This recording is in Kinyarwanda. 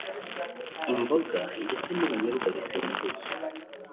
imboga ndetse n’ibinyobwa bisembuye